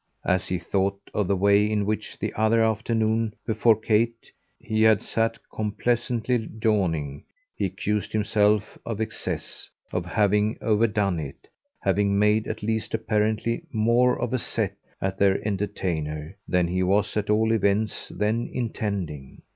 As he thought of the way in which, the other afternoon, before Kate, he had sat complacently "jawing," he accused himself of excess, of having overdone it, having made at least apparently more of a "set" at their entertainer than he was at all events then intending.